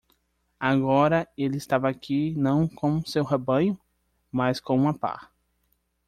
Agora ele estava aqui não com seu rebanho?, mas com uma pá.